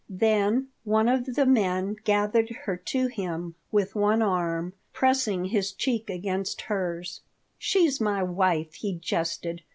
Then one of the men gathered her to him with one arm, pressing his cheek against hers "She's my wife," he jested.